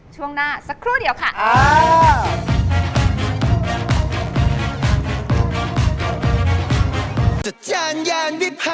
ช่วงหน้าสักครู่เดียวค่ะ